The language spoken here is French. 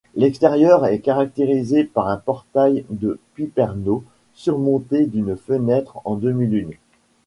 L'extérieur est caractérisé par un portail de piperno surmonté d'une fenêtre en demi-lune.